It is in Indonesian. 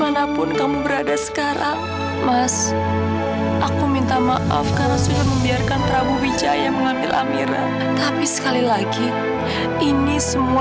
hanya bisa selalu mendoakan kebahagiaan kamu